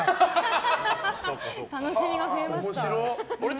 楽しみが増えました。